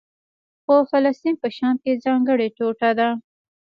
خو فلسطین په شام کې ځانګړې ټوټه ده.